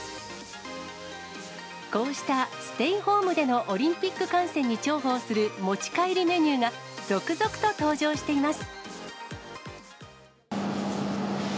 こうしたステイホームでのオリンピック観戦に重宝する持ち帰りメニューが、続々と登場しています。